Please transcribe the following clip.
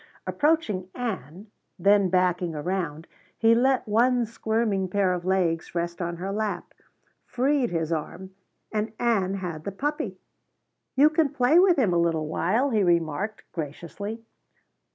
Approaching Ann, then backing around, he let one squirming pair of legs rest on her lap, freed his arm, and Ann had the puppy. "You can play with him a little while," he remarked graciously.